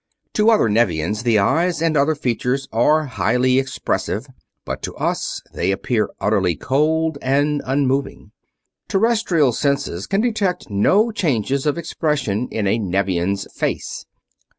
To other Nevians the eyes and other features are highly expressive, but to us they appear utterly cold and unmoving. Terrestrial senses can detect no changes of expression in a Nevian's "face."